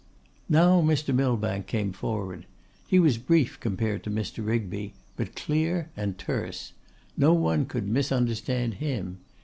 Now Mr. Millbank came forward: he was brief compared with Mr. Rigby; but clear and terse. No one could misunderstand him.